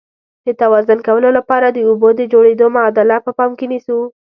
د توازن کولو لپاره د اوبو د جوړیدو معادله په پام کې نیسو.